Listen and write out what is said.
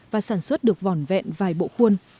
và sản xuất được vòn vẹn vài bộ khuôn